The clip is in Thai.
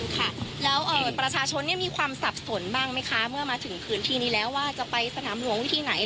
ค่ะแล้วประชาชนมีความสับสนบ้างไหมคะเมื่อมาถึงพื้นที่นี้แล้วว่าจะไปสนามหลวงวิธีไหน